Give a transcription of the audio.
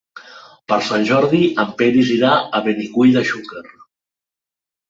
Per Sant Jordi en Peris irà a Benicull de Xúquer.